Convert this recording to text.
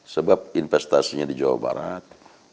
sebab investasinya di jawa barat